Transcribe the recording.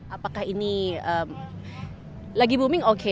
apakah ini lagi booming oke